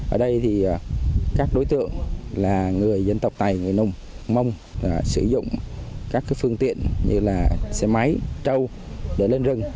ở đây thì các đối tượng là người dân tộc tài người nùng mong sử dụng các phương tiện như là xe máy trâu để lên rừng